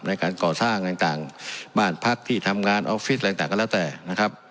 ในการก่อสร้างต่างบ้านพักที่ทำงานออฟฟิศอะไรต่างก็แล้วแต่นะครับ